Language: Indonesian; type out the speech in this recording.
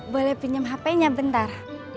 boleh pinjam hp nya bentar